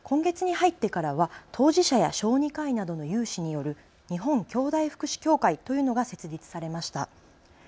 今月に入ってからは当事者や小児科医などの有志による日本きょうだい福祉協会が設立されました。